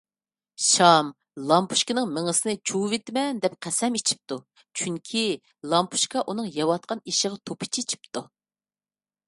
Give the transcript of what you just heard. شام لامپۇچكىنىڭ مېڭىسىنى چۇۋۇۋېتىمەن دەپ قەسەم ئىچىپتۇ، چۈنكى لامپۇچكا ئۇنىڭ يەۋاتقان ئېشىغا توپا چېچىپتۇ.